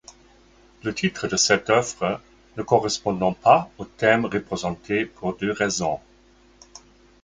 Le titre de cette œuvre ne correspond pas au thème représenté pour deux raisons.